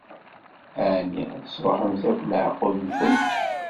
Ɛni tesṛuḥemt akk leɛqul-nwent?